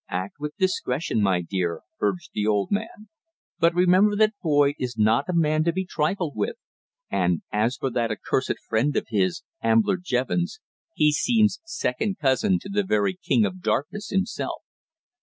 "Act with discretion, my dear," urged the old man. "But remember that Boyd is not a man to be trifled with and as for that accursed friend of his, Ambler Jevons, he seems second cousin to the very King of Darkness himself."